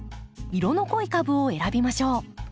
色の濃い株を選びましょう。